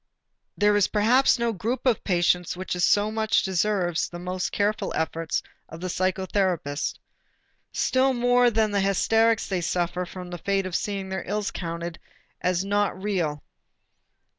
There is perhaps no group of patients which so much deserves the most careful efforts of the psychotherapist. Still more than the hysterics they suffer from the fate of seeing their ills counted as not real.